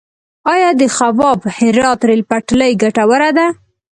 آیا د خواف - هرات ریل پټلۍ ګټوره ده؟